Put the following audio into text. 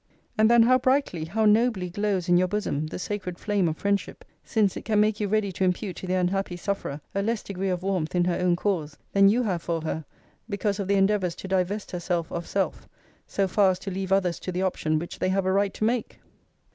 And then how brightly, how nobly glows in your bosom the sacred flame of friendship; since it can make you ready to impute to the unhappy sufferer a less degree of warmth in her own cause, than you have for her, because of the endeavours to divest herself of self so far as to leave others to the option which they have a right to make!